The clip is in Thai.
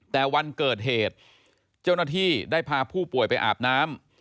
แต่วันเกิดเหตุเจ้าหน้าที่ได้พาผู้ป่วยไปอาบน้ำ